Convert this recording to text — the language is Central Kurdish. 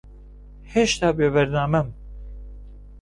ھێشتا بێبەرنامەم.